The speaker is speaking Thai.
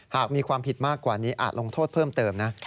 หากมีความผิดมากกว่านี้อาจลงโทษเพิ่มเติมนะ